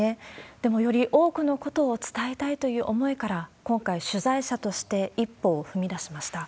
でも、より多くのことを伝えたいという思いから、今回、取材者として一歩を踏み出しました。